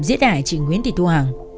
giết hại chị nguyễn thị thu hằng